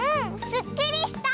すっきりした！